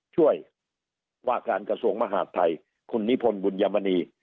ช่วยว่าการกระทรวงมหาดไทยคุณนิพนธ์บุญยมณี